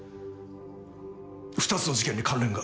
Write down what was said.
２つの事件に関連が？